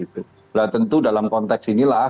tentu dalam konteks inilah